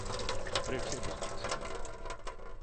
Prieks iepazīties, Igor.